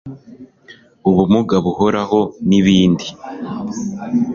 ubumuga buhoraho ni bindi